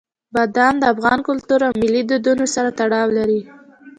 بادام د افغان کلتور او ملي دودونو سره تړاو لري.